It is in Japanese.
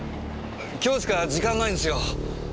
今日しか時間ないんすよ。